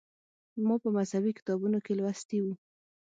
ما په مذهبي کتابونو کې لوستي و.